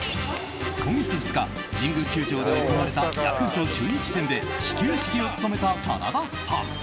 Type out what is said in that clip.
今月２日、神宮球場で行われたヤクルト・中日戦で始球式を務めた真田さん。